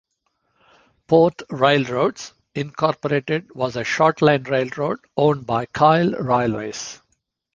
Port Railroads, Incorporated was a shortline railroad owned by Kyle Railways.